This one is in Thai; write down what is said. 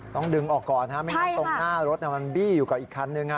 ต้องดึงออกก่อนไม่งั้นตรงหน้ารถมันบี้อยู่กับอีกคันนึง